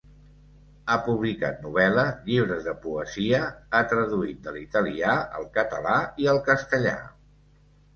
Ha publicat novel·la, llibres de poesia ha traduït de l'italià al català i al castellà.